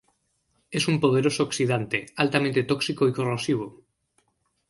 Es un poderoso oxidante, altamente tóxico y corrosivo.